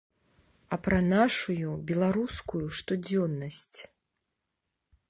А пра нашую, беларускую, штодзённасць.